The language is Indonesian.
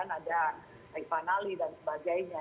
ada riva nalli dan sebagainya